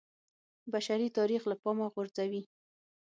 بشري تاریخ له پامه غورځوي